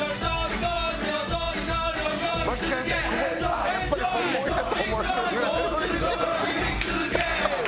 ああやっぱり本物やと思わせるぐらい。